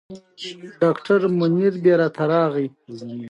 ډاکټر منیربې راته راغی.